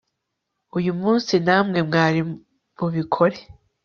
uyu munsi namwe mwari bubikore